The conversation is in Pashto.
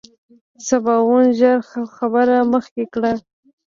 سباوون ژر خبره مخکې کړه.